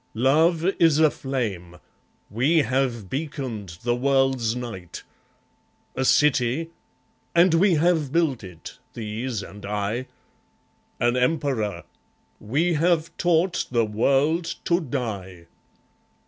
Love is a flame; we have beaconed the world's night. A city: and we have built it, these and I. An emperor: we have taught the world to die.